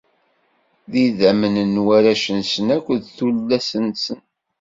D idammen n warrac-nsen akked tullas-nsen.